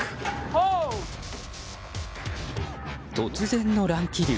突然の乱気流。